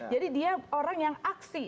dia orang yang aksi